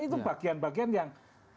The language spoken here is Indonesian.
itu bagian bagian yang